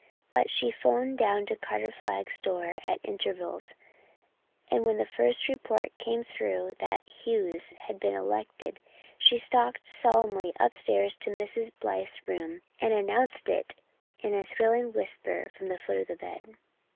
But she 'phoned down to Carter Flagg's store at intervals, and when the first report came through that Hughes had been elected she stalked solemnly upstairs to Mrs. Blythe's room and announced it in a thrilling whisper from the foot of the bed.